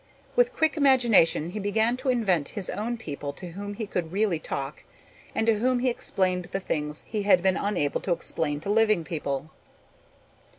With quick imagination he began to invent his own people to whom he could really talk and to whom he explained the things he had been unable to explain to living people.